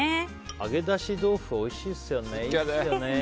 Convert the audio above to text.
揚げだし豆腐おいしいですよね。